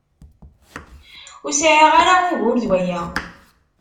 Ur sɛiɣ ara ugur d waya.